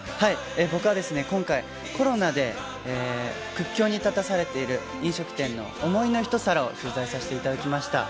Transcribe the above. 僕は今回、コロナで苦境に立たされている飲食店の想いの一皿を取材させていただきました。